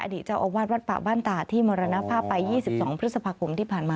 เจ้าอาวาสวัดป่าบ้านตาที่มรณภาพไป๒๒พฤษภาคมที่ผ่านมา